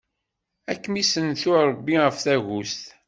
Ad kem-issentu Ṛebbi am tagust!